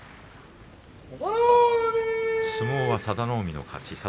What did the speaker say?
相撲は佐田の海の勝ち。